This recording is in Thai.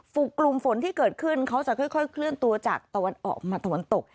กลุ่มฝนที่เกิดขึ้นเขาจะค่อยเคลื่อนตัวจากตะวันออกมาตะวันตก